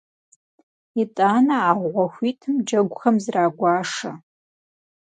ИтӀанэ а гъуэ хуитым джэгухэм зрагуашэ.